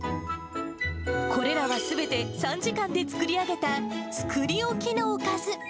これらはすべて３時間で作り上げた、作り置きのおかず。